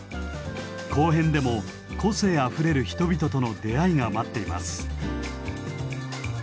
後編でも個性あふれる人々との出会いが待っています。